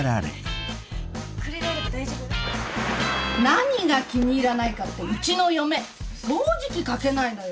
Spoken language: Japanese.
何が気に入らないかってうちの嫁掃除機かけないのよ。